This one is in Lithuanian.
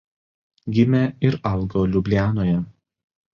Gimė ir augo Liublianoje.